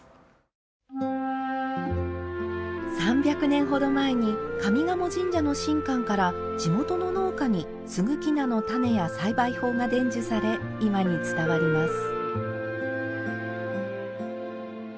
３００年ほど前に上賀茂神社の神官から地元の農家に、すぐき菜の種や栽培法が伝授され今に伝わります。